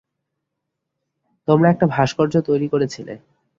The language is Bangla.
তোমরা একটা ভাস্কর্য তৈরি করেছিলে।